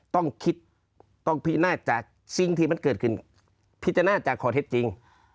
ต้องคิดต้องพินาศจากสิ่งที่มันเกิดขึ้นพิจารณาจากข้อเท็จจริง